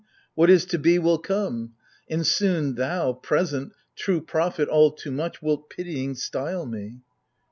What is to be will come ! And soon thou, present, " True prophet all too much " wilt pitying style me